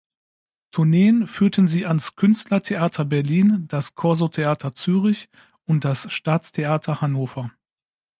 Tourneen führten sie ans Künstlertheater Berlin, das Corso-Theater Zürich und das Staatstheater Hannover.